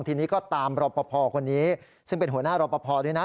ทีนี้ก็ตามรอปภคนนี้ซึ่งเป็นหัวหน้ารอปภด้วยนะ